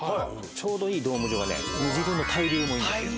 ちょうどいいドーム状は煮汁の対流もいいんです。